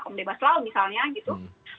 om debaslau misalnya gitu